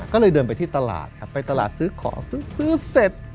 ก็เลยเดินไปที่ตลาดครับไปตลาดซื้อของซึ่งซื้อเสร็จ